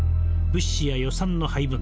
物資や予算の配分